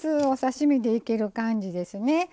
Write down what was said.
お刺身でいける感じですね。